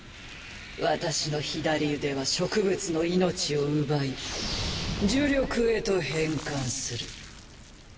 私の左腕は植物の命を奪い呪力へと変換する。